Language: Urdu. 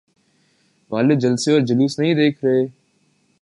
والے جلسے اور جلوس نہیں دیکھ رہے؟